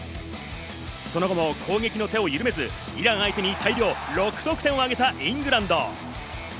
その後も攻撃の手をゆるめず、イラン相手に大量６得点をあげたイングランド。